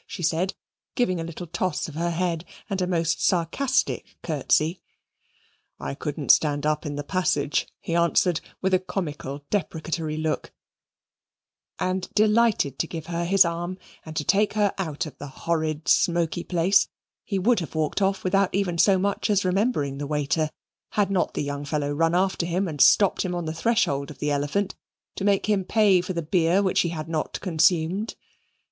she said, giving a little toss of her head and a most sarcastic curtsey. "I couldn't stand up in the passage," he answered with a comical deprecatory look; and, delighted to give her his arm and to take her out of the horrid smoky place, he would have walked off without even so much as remembering the waiter, had not the young fellow run after him and stopped him on the threshold of the Elephant to make him pay for the beer which he had not consumed.